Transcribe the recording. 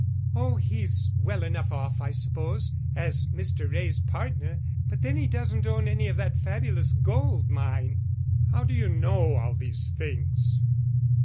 Oh, he's well enough off, I suppose, as Mr. Wray's partner, but then he doesn't own any of that fabulous gold mine." "How do you know all these things?"